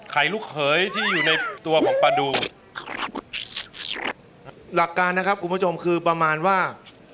ลูกเขยที่อยู่ในตัวของปลาดูหลักการนะครับคุณผู้ชมคือประมาณว่า